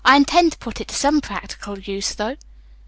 I intend to put it to some practical use, though."